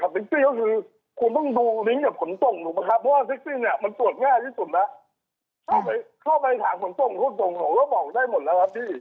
เข้าไปถามผมตรงผมก็บอกได้หมดแล้วครับพี่